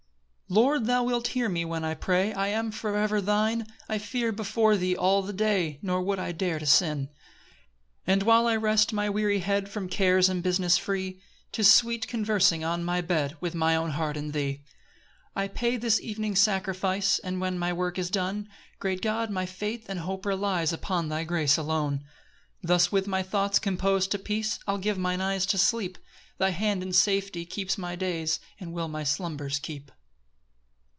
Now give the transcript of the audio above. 1 Lord, thou wilt hear me when I pray I am for ever thine: I fear before thee all the day, Nor would I dare to sin. 2 And while I rest my weary head From cares and business free, 'Tis sweet conversing on my bed With my own heart and thee. 3 I pay this evening sacrifice; And when my work is done, Great God, my faith and hope relies Upon thy grace alone. 4 Thus with my thoughts compos'd to peace I'll give mine eyes to sleep; Thy hand in safety keeps my days, And will my slumbers keep.